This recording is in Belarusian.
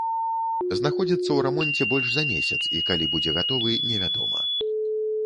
Знаходзіцца ў рамонце больш за месяц, і калі будзе гатовы, не вядома.